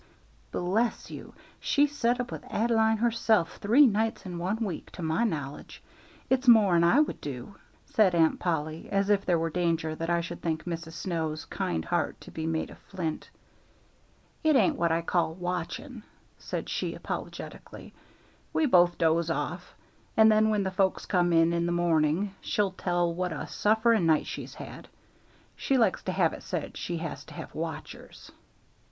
"Bless you, she set up with Ad'line herself three nights in one week, to my knowledge. It's more'n I would do," said Aunt Polly, as if there were danger that I should think Mrs. Snow's kind heart to be made of flint. "It ain't what I call watching," said she, apologetically. "We both doze off, and then when the folks come in in the morning she'll tell what a sufferin' night she's had. She likes to have it said she has to have watchers."